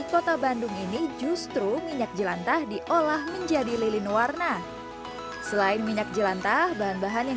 kota bandung ini justru minyak jelantah diolah menjadi lilin warna selain minyak jelantah bahan bahan yang